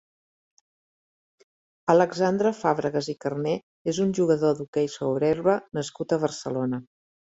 Alexandre Fàbregas i Carné és un jugador d'hoquei sobre herba nascut a Barcelona.